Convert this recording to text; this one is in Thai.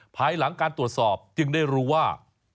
ภายหลังการตรวจสอบจึงได้รู้ว่า